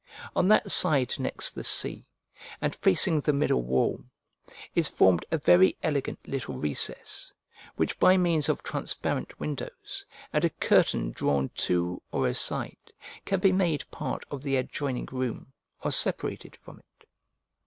On that side next the sea, and facing the middle wall, is formed a very elegant little recess, which, by means of transparent windows, and a curtain drawn to or aside, can be made part of the adjoining room, or separated from it.